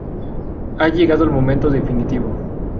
Ha llegado el momento definitivo.